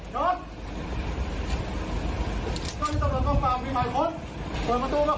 นอนด้านนี้ตำลนกล้องกลางมีหลายคน